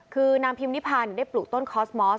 คือนางพิมนิพันธ์ได้ปลูกต้นคอสมอส